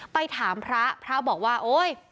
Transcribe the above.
ไปถามพระพระบอกว่าโอ๊ย